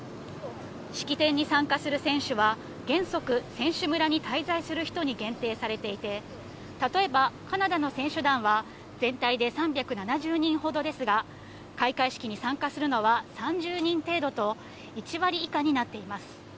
式典に参加する選手は、原則、選手村に滞在する人に限定されていて、例えばカナダの選手団は全体で３７０人ほどですが、開会式に参加するのは３０人程度と、１割以下になっています。